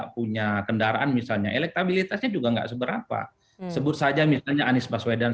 punya kendaraan misalnya elektabilitasnya juga enggak seberapa sebut saja misalnya anies baswedan